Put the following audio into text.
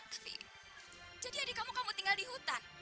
tapi jadi adik kamu kamu tinggal di hutan